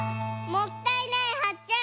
もったいないはっけん！